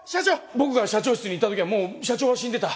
僕が社長室に行った時はもう社長は死んでた。